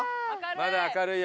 まだ明るいよ。